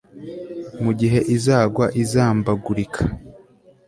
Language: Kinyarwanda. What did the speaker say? mu gihe izagwa izambagurika